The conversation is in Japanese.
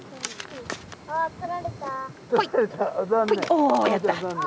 おやった。